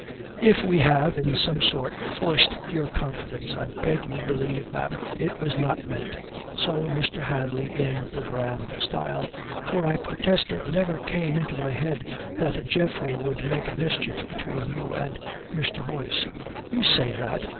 "If we have, in some sort, forced your confidence, I beg you believe, ma'am, it was not meant," So Mr. Hadley in the grand style. "For I protest it never came into my head that Geoffrey would make mischief between you and Mr. Boyce." "You say that?"